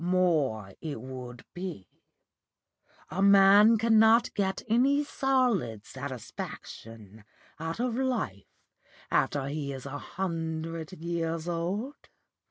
More it would be. A man cannot get any solid satisfaction out of life after he is a hundred years old.